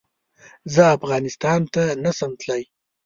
زه افغانستان ته نه سم تلی